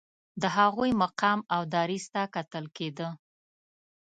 د هغوی مقام او دریځ ته کتل کېده.